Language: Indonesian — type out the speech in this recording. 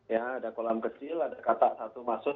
ya ada kolam kecil ada kata satu masuk